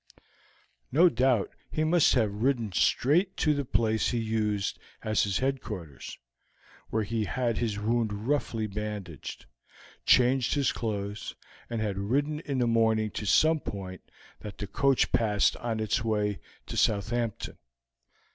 "No doubt he must have ridden straight to the place he used as his headquarters, where he had his wound roughly bandaged, changed his clothes, and had ridden in the morning to some point that the coach passed on its way to Southampton.